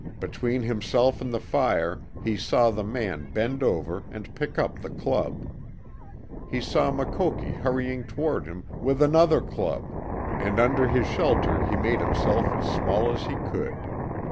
Between himself and the fire he saw the man bend over and pick up the club. He saw Makoki hurrying toward him with ANOTHER club, and under his shelter he made himself as small as he could.